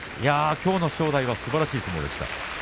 きょうの正代はすばらしい相撲でした。